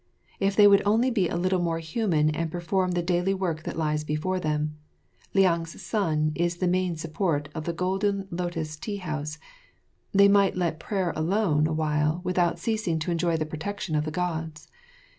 If they would only be a little more human and perform the daily work that lies before them (Liang's son is the main support of the Golden Lotus Tea house) they might let prayer alone a while without ceasing to enjoy the protection of the Gods.